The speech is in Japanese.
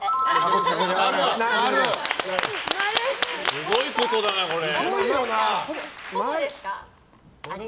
すごいことだな、これ。